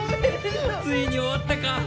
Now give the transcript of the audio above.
ついに終わったか！